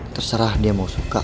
terserah dia mau suka